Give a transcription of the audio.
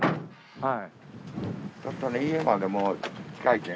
はい。